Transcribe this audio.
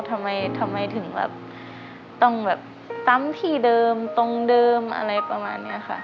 ทำไมถึงต้องตั้งที่เดิมตรงเดิมอะไรประมาณนี้ค่ะ